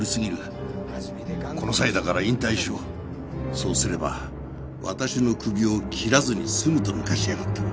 そうすれば私のクビを切らずに済むとぬかしやがった。